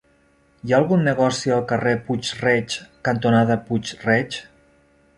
Hi ha algun negoci al carrer Puig-reig cantonada Puig-reig?